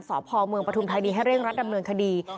สอบพเมืองประทุมไทยนี้ให้เรียกรัฐดำเนินคดี